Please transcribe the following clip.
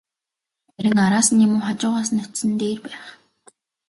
Харин араас нь юм уу, хажуугаас нь очсон нь дээр байх.